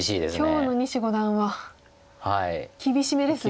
今日の西五段は厳しめですね。